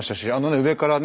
上からね